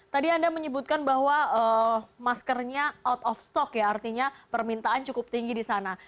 tadi anda menyebutkan bahwa maskernya out of stock ya artinya permintaan cukup tinggi di sana